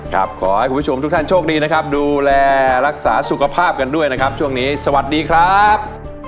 ขอให้คุณผู้ชมทุกท่านโชคดีนะครับดูแลรักษาสุขภาพกันด้วยนะครับช่วงนี้สวัสดีครับ